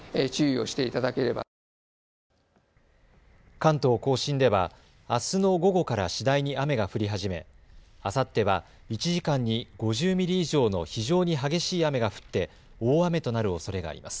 関東甲信ではあすの午後から次第に雨が降り始めあさっては１時間に５０ミリ以上の非常に激しい雨が降って大雨となるおそれがあります。